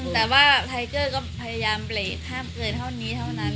แต่ว่าไทเกอร์ก็พยายามเบรกห้ามเกินเท่านี้เท่านั้น